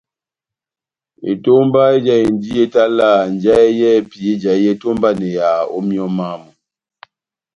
Etomba ejahindi etalaha njahɛ yɛ́hɛ́pi éjahi etómbaneyaha ó míyɔ mámu.